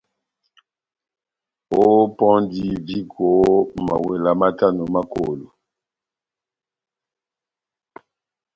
Ópɔndi viko mawela matano ma kolo.